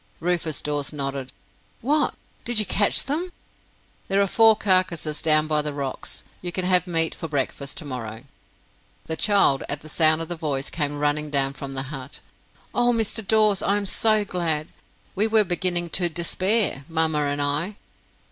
Rufus Dawes nodded. "What! Did you catch them?" "There are four carcases down by the rocks. You can have meat for breakfast to morrow!" The child, at the sound of the voice, came running down from the hut. "Oh, Mr. Dawes! I am so glad! We were beginning to despair mamma and I."